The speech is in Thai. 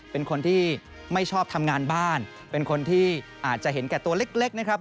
เป็นคนที่ไม่ชอบทำงานบ้านเป็นคนที่อาจจะเห็นแก่ตัวเล็กนะครับ